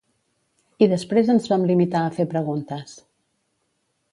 I després ens vam limitar a fer preguntes.